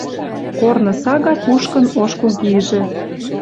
Корны сага кушкын ош кугижӹ.